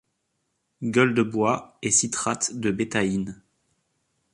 Gueule de bois et citrate de bétaïne.